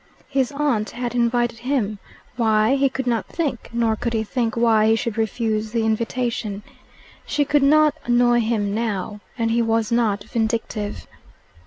His aunt had invited him why, he could not think, nor could he think why he should refuse the invitation. She could not annoy him now, and he was not vindictive.